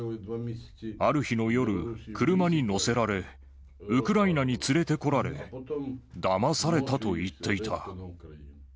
ある日の夜、車に乗せられ、ウクライナに連れてこられ、だまされたと言っていた。